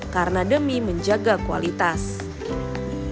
karena demi menjaga kualitas kebun